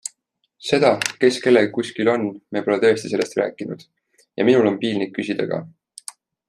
Seda, kes kellega kuskil on - me pole tõesti sellest rääkinud ja minul on piinlik küsida ka.